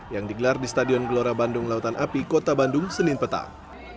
yang digelar di stadion gelora bandung lautan api kota bandung senin petang